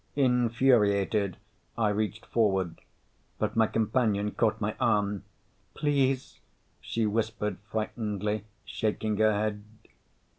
Infuriated, I reached forward, but my companion caught my arm. "Please," she whispered frightenedly, shaking her head.